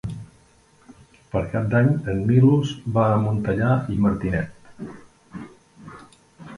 Per Cap d'Any en Milos va a Montellà i Martinet.